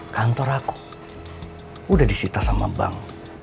kantor aku udah disita sama bank